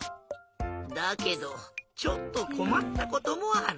だけどちょっとこまったこともある。